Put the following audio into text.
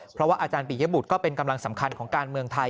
เพราะว่าอาจารย์ปิยบุตรก็เป็นกำลังสำคัญของการเมืองไทย